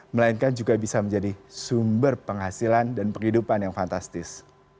melainkan juga bisa menjadi sumber penghasilan dan penghidupan yang fantastis